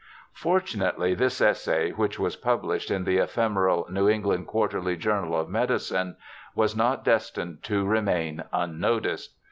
Fortunately this essay, which was published in the ephemeral New England Quarterly Journal of Medicine^ was not destined to remain unnoticed.